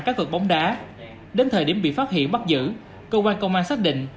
cá cửa bóng đá đến thời điểm bị phát hiện bắt giữ cơ quan công an xác định